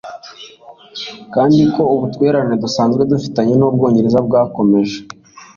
kandi ko ubutwererane dusanzwe dufitanye n Ubwongereza bwakomeje